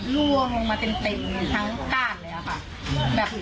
แล้วก็หน้าไปมองก็ล่วงลงมาเต็มทั้งก้านเลยค่ะ